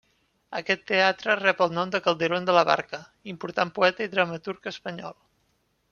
Aquest teatre rep el nom de Calderón de la Barca, important poeta i dramaturg espanyol.